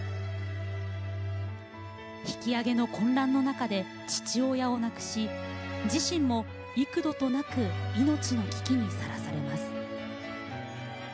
引き揚げの混乱の中で父親を亡くし、自身も幾度となく命の危機にさらされます。